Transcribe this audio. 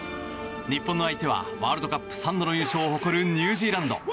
日本の相手はワールドカップ３度の優勝を誇るニュージーランド。